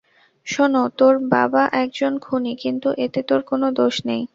শোন, তোর বাবা একজন খুনী, কিন্তু এতে তোর কোনো দোষ নেই।